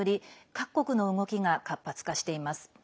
各国の動きが活発化しています。